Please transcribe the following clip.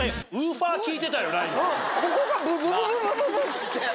ここがブブブっつって。